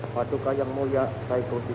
bagaimana menurut anda